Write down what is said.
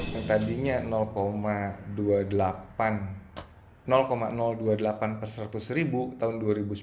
yang tadinya dua puluh delapan per seratus ribu tahun dua ribu sepuluh